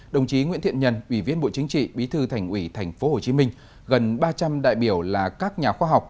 đồng chí nguyễn thiện nhân ủy viên bộ chính trị bí thư thành ủy tp hcm gần ba trăm linh đại biểu là các nhà khoa học